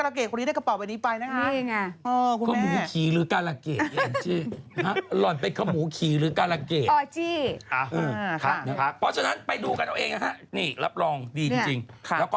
แล้วก็อากาวเนี่ยก็พิษทำตรงไหนนะครับ